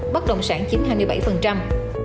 bất động sản chiếm hai mươi bảy